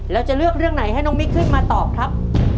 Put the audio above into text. แล้วจะเลือกเรื่องไหนให้น้องมิ๊กขึ้นมาตอบครับ